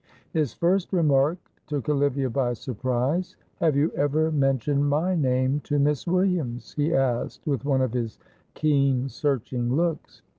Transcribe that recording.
His first remark took Olivia by surprise. "Have you ever mentioned my name to Miss Williams?" he asked, with one of his keen searching looks.